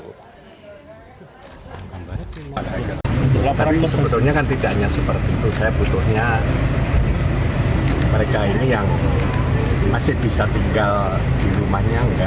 tapi sebetulnya kan tidak hanya seperti itu saya butuhnya mereka ini yang masih bisa tinggal di rumahnya